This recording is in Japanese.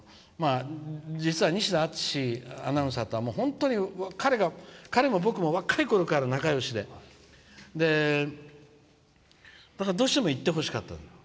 実は西田篤史アナウンサーとは本当に彼が彼も僕も若いころから仲よしでどうしても行ってほしかった。